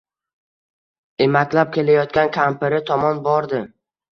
Emaklab kelayotgan kampiri tomon bordi